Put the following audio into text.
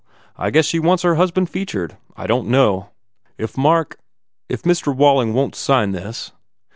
I guess she wants her husban featured. I don t know." "If Mark if Mr. Walling won t sign this?"